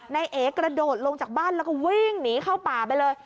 นายเอกระโดดลงจากบ้านแล้วก็วิ่งหนีเข้าป่าไปเลย